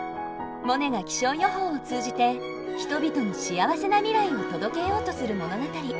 モネが気象予報を通じて人々に幸せな未来を届けようとする物語。